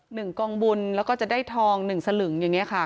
หนึ่งกองบุญแล้วก็จะได้ทองหนึ่งสลึงอย่างเงี้ค่ะ